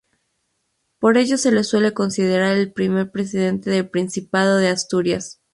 Por ello se le suele considerar el primer Presidente del Principado de Asturias.